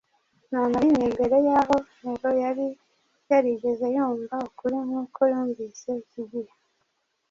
Nta na rimwe mbere y’aho Nero yari yarigeze yumva ukuri nk’uko yumvise iki gihe